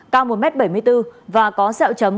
cao một m bảy mươi bốn và có sẹo chấm